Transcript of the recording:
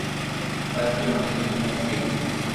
باقي مالڪ ري مرزي